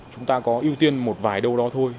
chúng ta có ưu tiên một vài đâu đó thôi